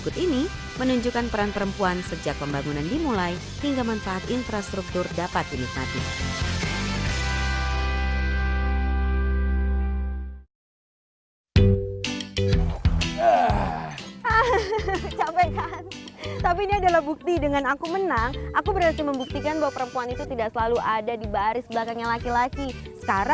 terima kasih lingkungan dan desa